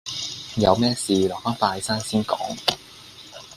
有咩事留返拜山先講